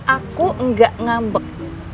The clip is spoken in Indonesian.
aku enggak ngambek